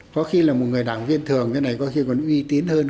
có khi là một người đảng viên thường cái này có khi còn uy tín hơn